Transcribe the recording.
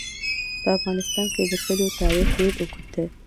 په افغانستان کې د کلیو تاریخ ډېر اوږد دی.